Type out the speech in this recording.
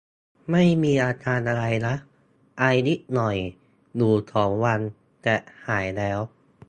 ไม่มีอาการอะไรนะ ไอนิดหน่อยอยู่สองวัน แต่หายแล้ว